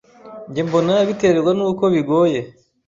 Njye mbona biterwa n'uko bigoye